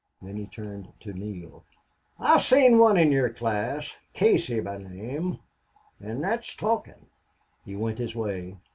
Then he turned to Neale. "I've seen one in yer class Casey by name. An' thot's talkin'." He went his way.